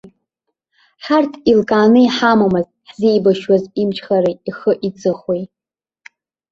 Ҳарҭ еилкааны иҳамамызт ҳзеибашьуаз имчхареи ихы-иҵыхәеи.